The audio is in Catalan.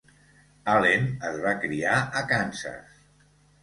Allen es va criar a Kansas.